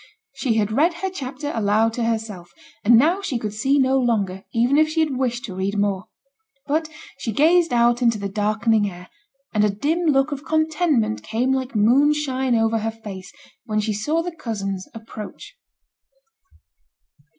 She had read her chapter aloud to herself, and now she could see no longer, even if she had wished to read more; but she gazed out into the darkening air, and a dim look of contentment came like moonshine over her face when she saw the cousins approach.